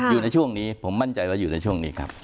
อยู่ในช่วงนี้ผมมั่นใจว่าอยู่ในช่วงนี้ครับ